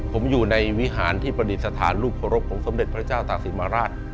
ผมอยู่ในวิหารที่ประดิษฐานรูปเคารพของสมเด็จพระเจ้าตากศิลมาราช